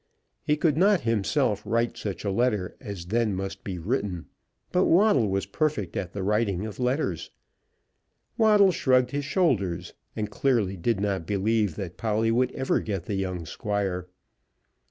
He could not himself write such a letter as then must be written; but Waddle was perfect at the writing of letters. Waddle shrugged his shoulders, and clearly did not believe that Polly would ever get the young Squire.